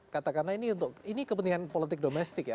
katakanlah ini kepentingan politik domestik ya